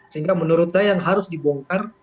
sehingga menurut saya yang harus dibongkar